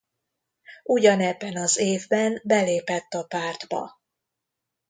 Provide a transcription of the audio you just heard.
Ugyanebben az évben belépett a pártba.